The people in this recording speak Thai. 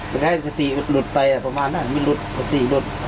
จะให้สติหลุดไปประมาณนั้นมันหลุดสติหลุด